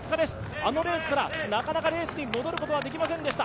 あのレースからなかなかレースに戻ることはできませんでした。